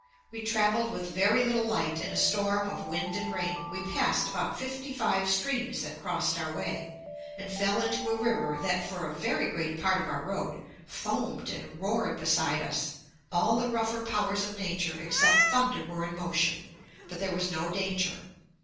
Piozzi Letters, i. 159. 'We travelled with very little light in a storm of wind and rain; we passed about fifty five streams that crossed our way, and fell into a river that, for a very great part of our road, foamed and roared beside us; all the rougher powers of nature except thunder were in motion, but there was no danger.